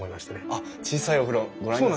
あっ小さいお風呂ご覧に。